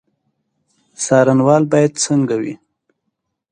څارنوال باید څنګه وي؟